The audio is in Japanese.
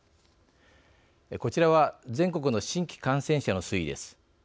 こちらは全国の新規感染者の推移です。